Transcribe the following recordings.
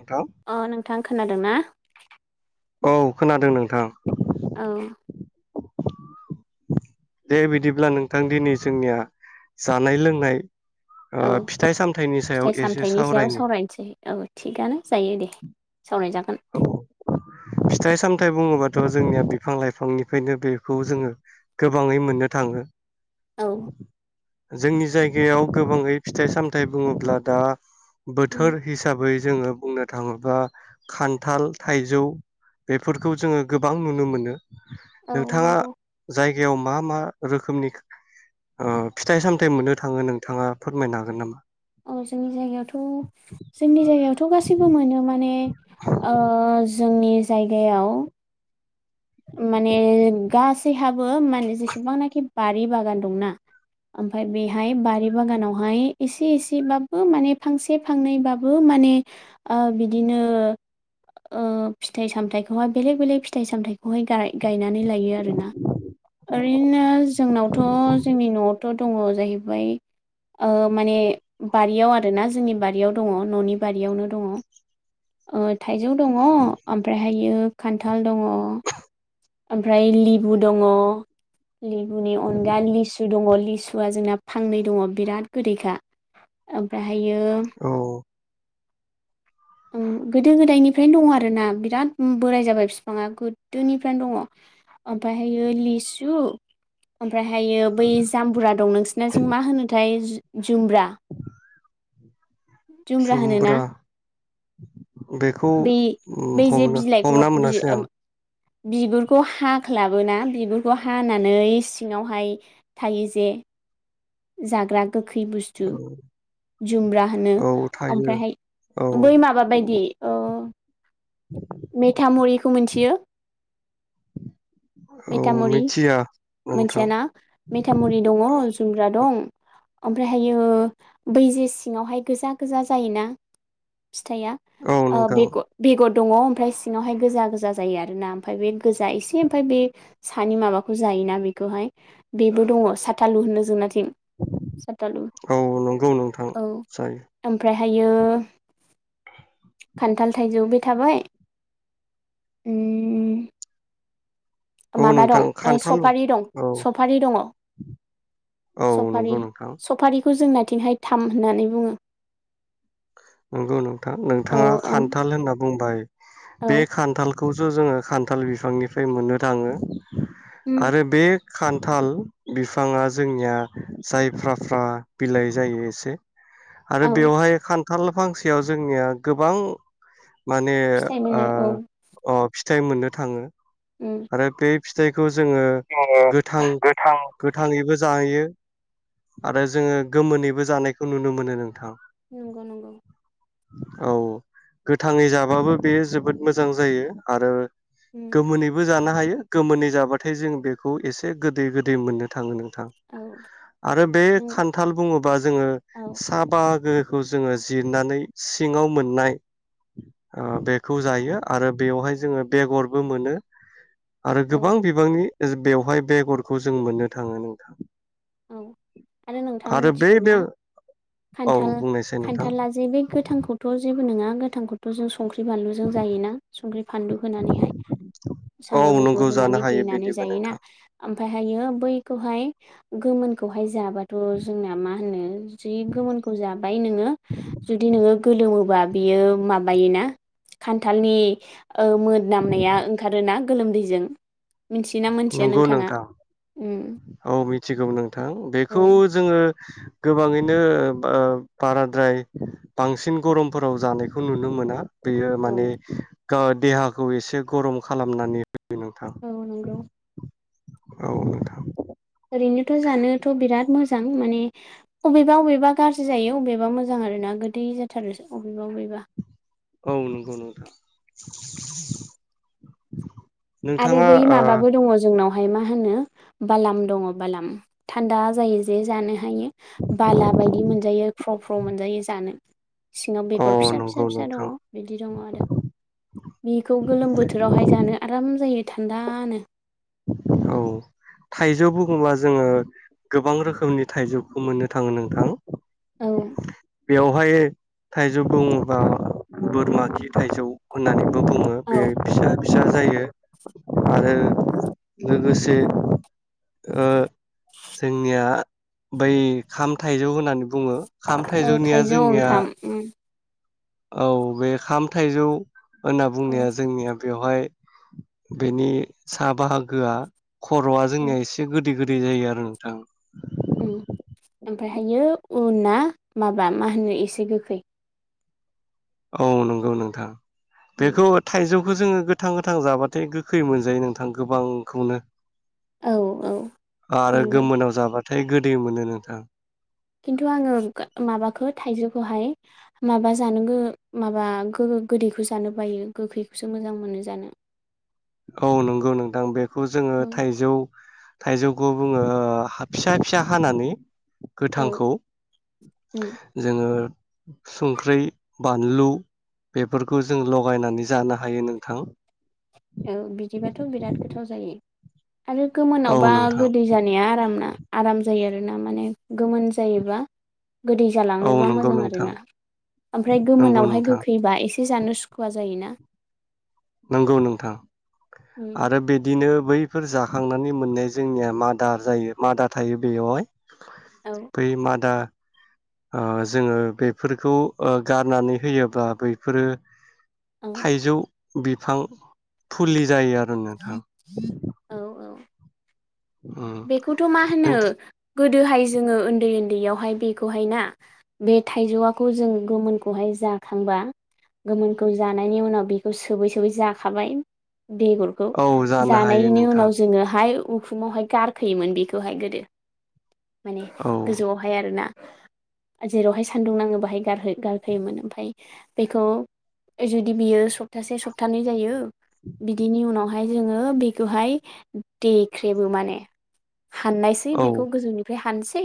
नोंथां अ नोंथां खोनादों ना? औ खोनादों नोंथां। औ दे बिदिब्ला नोंथां दिनै जोंनिया जानाय लोंनाय ओ औ फिथाइ सामथाइनि सायाव फिथाइ एसे सामथायाइनि सायाव सावरायनि सावरायनोसै औ थिगानो जायो दे सावराय जागोन। औ फिथाइ सामथायाइ बुङोबाथ' जोंनिया बिफां लाइफांनिफ्रायनो बेखौ जोङो गोबाङै मोननो थाङो। औ। जोंनि जायगायाव गोबाङै फिथाइ सामथाइ बुङोब्ला दा उम बोथोर हिसाबै जोङो बुंनो थाङोबा खान्थाल, थाइजौ बेफोरखौ जोङो गोबां नुनो मोनो। औ नोंथाङा नंगौ जायगायाव मा मा रोखोमनि ओ फिथाइ सामथाइ मोननो थाङो नोंथाङा फोरमायनो हागोन नामा? औ जोंनि जायगायावथ' जोंनि जायगायावथ' गासैबो मोनो माने ओ जोंनि जायगायाव माने गासैहाबो माने जेसेबांनाखि बारि बागान दंना ओमफ्राय बेहाय बारि बागानावहाय एसे एसेबाबो माने फांसे फांनैबाबो माने ओ बिदिनो ओ फिथाइ सामथाइखौहाय बेलेग बेलेक फिथाइ सामथाइखौ गायनानै लायो आरोना ओरैनो जोंनावथ' जोंनि न'आवथ' दङ जाहैबाय ओ माने बारियाव आरोना जोंनि बारियाव दङ न'नि बारियावनो दङ ओ थाइजौ दङ ओमफ्रायहाय बियो खान्थाल दङ, ओमफ्राय लिबु दङ, लेबुनि अनगा लिसु दङ लिसु, लिसुआ जोंना फांनै दङ बिराद गोदैखा, ओमफ्राय ओमफायो औ उम गोदो गोदायनिफ्रायनो दङ आरोना बिराद बोराय जाबाय बिफाङा गोदोनिफ्रायनो दङ। ओमफायो लिसु ओमफ्रायहायो बै जाम्बुरा दं नोंसोरनिथिंजोंं मा होनोथाय जुमब्रा जुमब्रा होनोना जुम्ब्रा बेखौ बै ओम बै जे हमनो बिलाइखौ हमना मोनासै आं। बिगुरखौ हाख्लाबोना बिगुरखौ हानानै सिङावहाय थायो जे जाग्रा गोखै बुस्थु जुमब्रा होनो औ थायो ओमफ्रायहाय औ बै माबा बायदि ओ मेथामुरिखौ मिथियो? औ मेथामुरि मिथिया नोंथां मोनथियाना। मेथामुरि दङ, जुमब्रा दं ओमफ्रायहायो बै जे सिङावहाय गोजा गोजा जायोना फिथाइया औ ओ नोंथां बे-बेगर दङ ओमफ्राय सिङावहाय गोजा गोजा जायो आरोना ओमफ्राय बे गोजा एसे ओमफ्राय बे सानि माबाखौ जायोना बेखौहाय बेबो दङ साथालु होनो जोंना साथालु औ नंगौ नोंथां औ जायो आमफ्राय ओ खान्थाल, थाइजौ बे थाबाय ओम औ माबा नोंथां दं ओ खान्थाल सफारि दं औ सफारि दङ औ सफारि नंगौ नोंथां सफारि खौ जोंनाथिंहाय थाम होननानै बुङो। नंगौ नोंथां औ नोंथाङा ओम खान्थाल होनना बुंबाय बे औ खान्थालखौसो जोङो खान्थाल बिफांनिफ्राय मोननो थाङो। उम आरो बे खान्थाल बिफाङा जोंनिया जायफ्राफ्रा बिलाइ जायो एसे आरो औ बेवहाय खान थाल फांसेयाव जोंनिया गोबां माने फिथाइ मोनो औ ओ अ फिथ फिथाइ मोननो थाङो। उम आरो बे फिथाइ खौ जोङो जोङो गोथां गोथाङैबो जाहैयो। आरो जोङो गोमोनैबो जानायखौ नुनो मोनो नोंथां। नंगौ नंगौ। औ गोथाङै जाबाबो बेयो जोबोद मोजां जायो आरो उम गोमोनैबो जाना हायो गोमोनै जाबाथाय जों बेखौ एसे गोदै गोदै मोननो थाङो नोंथ थां औ आरो बे नों खान्थाल बुङोबा जोङो औ सा बाहागो खौ जोङो जिरनानै सिङाव मोननाय ओ बेखौ जायो आरो बेवहाय जोङो बेगरबो मोनो। आरो औ गोबां बिबांनि बेवहाय बेगरखौ जों मोननो थाङो नोंथां। औ आरो नोंथाङा बै मिथिगौ बे ना औ खान्थाल बुंनायसाय नोंथां खान्थाला जे बे गोथांखौथ जों नोङा गोथांखौथ जों संख्रि बानलुजों जायोना संख्रि फानलु होनानैहाय औ सामब्राम नंगौ गुफुर जानो होनानै हायो देनानै बिदिबो जायोना नोंथां ओमफ्राय हायो बैखौहाय गोमोनखौहाय जाबाथ जोंना मा होनो जि गोमोनखौ जाबाय नोङो जुदि नोङो गोलोमोबा बियो माबायोना खान्थालनि ओ मोनामनाया ओंखारोना गोलोमदैजों मिन्थियो ना मोनथिया नंगौ नोंथाङा नोंथां उम औ मिथिगौ नोंथां औ बेखौ जोङो गोबाङैनो ओ बाराद्राय बांसिन गरमफोराव जानायखौ नुनो मोना। बेयो औ माने गो देहाखौ एसे गरम खालामनानै होयो नोंथां औ नंगौ। औ नोंथां ओरैनोथ जानोथ बिराद मोजां माने अबेबा अबेबा गाज्रि जायो अबेबा मोजां आरोना गोदै जाथारो अबेबा अबेबा औ नोंगौ नोंथां। आरो नोंथाङा बै माबाबो दङ जोंनाव हाय मा होनो बालाम दङ बालाम थान्दा जायो जे जानो हायो बाला बायदि मोनजायो फ्र फ्र मोनजायो जानो। सिङाव ओ बेगर औ फिसा फिसा नंगौ फिसा दङ नोंथां बिदि दङ आरो। बिखौ गोलोम बोथोरावहाय जानो आ राम जायो थान्दानो औ थाइजौ बुङोबा जोङो गोबां रोखोमनि थाइजौखौ मोननो थाङो नोंथां। औ बेवहाय थाइजौ बुङोबा बोरमा खि थाइजौ होननानैबो बुङो बे औ फिसा फिसा औ जायो आरो लोगोसे ओ जोंनिया बै खाम थाइजौ होनानै बुङो खाम औ थाइजौनिया थाइजौ जोंनिया ओंखाम औ बे खाम थाइजौ होनना औ बुंनाया जोंनिया बेवहाय बेनि सा बाहाग गोआ खरआ जोंनिया एसे गोदै गो दै जायो आरो नोंथां ओम ओमफ्रायहायो उनआ माबा मा होनो एसे गोखै। औ नोंगौ नोंथां बेखौ थाइजौ खौ जोङो गोथां गोथां जाबाथाय गोखै मोनजायो नोंथां गोबांखौनो औ औ आरो नंगौ गोमोनाव जाबा थाय गोदै मोनो नोंथां खिन्थु आङो गा माबाखो थाइजौखौहाय माबा जानो गो माबा गो गोदैखौ जानो बायो गोखैखौसो मोजां मोनो जानो। औ नोंगौ नोंथां बे खौ जोङो थाइजौ थाइजौखौ बुङो हा फिसा फिसा हानानै औ गोथांखौ उम जोङो संख्रै बानलु बेफोरखौ जों लगायनानै जानो हायो नोंथां। औ बिदिबाथ बिराद गोथाव जायो। आरो औ गोमोनावबा नोंथां गोदै जानाया आराम ना आराम जायो आरो ना माने गोमोन जायोबा गोदै औ जालाङोबा नंगौ मोजां आरो नोंथां ना आमफ्राय नंगौ गोमोनावहाय नोंथां गोखैबा एसे एसे जानो सुखुवा जायो ना नंगौ नोंथां। आरो बिदिनो बैफोर जाखांनानै मोननाय जोंनिया मादार जायो मादा थायो बेयावहाय औ बै मादा आ जोङो बेफोरखौ ओ गारनानै होयोब्ला बैफोरो औ थाइजौ। बिफां फुलि जायो आ [unintelligible] नोंथां औ औ उम बेखौथ' मा होनो नोंथां गोदोहाय जोङो ओन्दै ओन्दैयाव बेवहाय बेखौहाय ना बे थाइजौआखौ जों गोमोनखौहाय जाखांबा गोमोनखौ जानायनि उनाव बेखौ सोबै सोबै जाखाबाय। बेगरखौ औ जानो हायो जानायनि नोंथां उनाव जोङोहाय उखुमहाय गार खैयोमोन बेखौहाय गोदो। माने औ गोजौआवहाय आरो ना? जेरावहाय सान्दुं नाङो बाहाय गारहो गारफोयोमोन ओमफाय बेखौ जुदि बियो सप्तासे सप्तानै जायो। बिदिनि उनाव हाय जोङो बेखौहाय देख्रेबो माने हाननायसै औ बेखौ गोजौनिफ्राय फानसै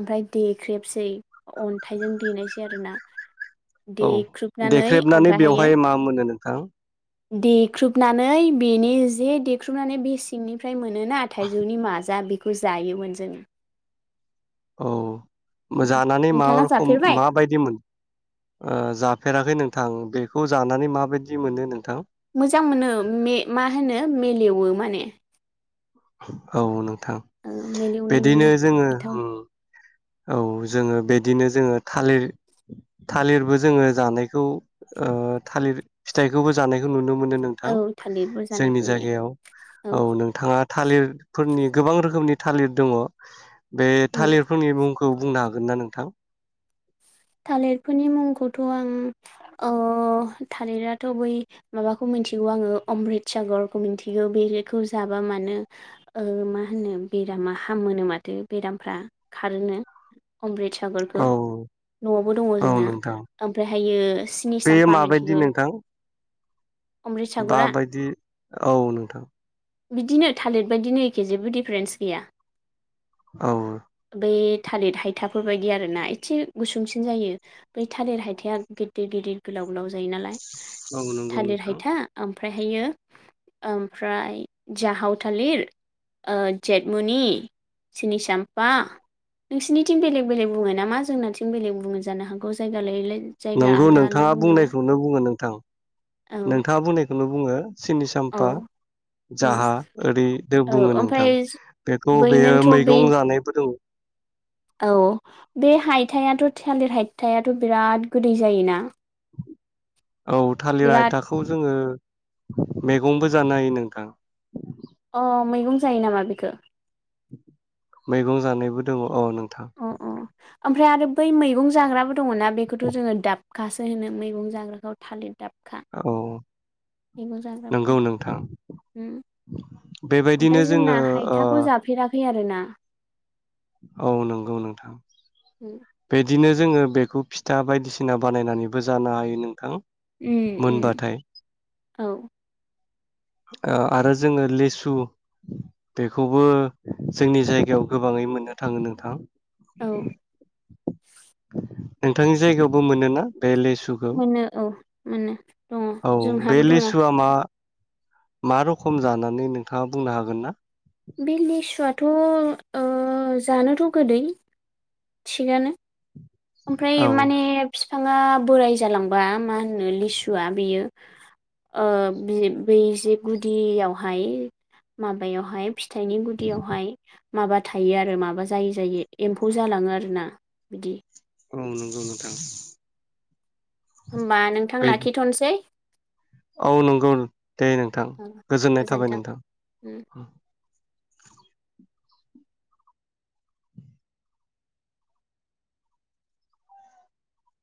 ओमफ्राय देख्रेबसै अन्थाइजों देनायसै आरो ना? औ देख्रेबनानै बेवहाय मा मोनो नोंथां? देख्रुबनानै बेनि जे देख्रुबनानै बेसेंनिफ्राय मोनो ना थाइजौनि मास जा बेखौ जायोमोन जोङो। औ। जानानै मा नोंथाङा रखम जाफेरबाय माबायदिमोन ओ जाफेराखै नोंथां बे खौ जानानै माबायदि मोनो नोंथां? मोजां मोनो मे मा होनो मेलेवो माने। औ नों थां ओ मेलेवनाय बिदिनो मोनो जोङो गोथाव उम। औ जोङो बेदिनो जोङो थालिर थालिरबो जोङो जानायखौ ओ थालिर फिथाइखोबो जानायखौ नुनो मोनो नोंथां औ थालिरबो जोंनि जानायखौ नुयो जायगायाव औ नोंथाङा थालिरफोरनि गोबां रोखोमनि थालिर दङ'। बे उम। थालिरफोरनि मुं खौ बुंनो हागोन ना नोंथां? थालिरफोरनि मुंखौथ' आं ओ थालिराथ' बै माबाखौ मिथिगौ आङो अमृतसागरखौ मिथिगौ बेखौ जाबा मानो ओ मा होनो बेरामा हामोनो माथो बेरामफ्रा खारोनो। अमृतसागरखौ। औ न'आवबो दङ औ जोंना नोंथां ओमफ्रायहायो सिनि बे साम्फा माबायदि मिथिगौ नोंथां अमृतसागरा। माबायदि औ नोंथां बिदिनो थालिर बायदिनो एखे जेबो डिफारेन्स गैया। औ। बे थालिर हायथाफोर बायदि आरो ना एसे। गुसुंसिन जायो बै थालेर हायथाया गिदिर गिदिर गोलाव गोलाव। जायो नालाय नंगौ थालिर नोंथां हायथा। फायहायो ओमफ्राय जाहाव थालिर ओ जेतमुनि सिनि साम्फा नोंसिनिथिं बेलेग बेलेग बुङो नामा जोंना [unintelligible] बेलेग बुंनो जानो हागौ जायगा लायै लायै। जायगा नंगौ आलदा आलदा नोंथाङा बुङोना बुंनायखौनो बुङो नोंथां औ नोंथाङा बुंनाय खौल बुङो। सिनि औ साम्फा उम जाहा ओरैदो औ बुङो नोंथां ओमफ्राय बेखौ बेयो बैनोथ' बे मैगं जानायबो दङ। औ बे हायथायाथ' थालिर हायथायाथ' बिराद गोदै जायोना। औ थालिर बिराद हायथाखौ जोङो। मैगंबो जानो हायो नोंथां। अ मैगं जायो नामा बेखौ। मैगं जानायबो दङ औ नों अ अ [unintelligible] ओमफ्राय आरो बै मैगं जाग्राबो। दङना बेखौथ' जोङो दाब खासो होनो मैगं जाग्राखौ थालिर। दाबखा औ। मैगं नंगौ जाग्राफोराव नोंथां [unintelligible] बेबायदिनो ओमफाय जोङो जोंना ओ हायथाखौ जाफेराखै आ ना। औ नंगौ नोंथां उम बिदिनो। जोङो बेखौ फिथा बायदिसिना बानायनानैबो जानो हायो नोंथां। उम उम। मोनबाथाय औ। आरो जोङो लेसु बेखौबो जोंनि जायगायाव गोबाङै मोननो थाङो नोंथां। औ नोंथांनि जायगायावबो मोनो ना? मोनो औ मोनो दङ औ बे जोंहाबो दङ। लेसुआ मा मा रोखम जानानै नोंथाङा बुंनो हागोन ना। थ' ओ जानोथ' गोदै। थिगानो। औ ओमफ्राय माने फि थाङा बोराय जालांबा मा होनो लिसुआ बियो ओ बै जे गुदियावहाय माबायावहाय। फिथाइनि गुदियावहाय माबा थायो आरो माबा जायो जायो एम्फौ जालाङो आरोना बिदि औ नंगौ नोंथां होमबा नोंथां बे लाखिथनोसै औ नंगौ नो दे नोंथां गोजोननाय थाबाय गोजोन्थों नोंथां। उम